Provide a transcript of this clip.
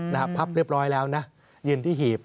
พับเรียบร้อยแล้วนะยืนที่หีบ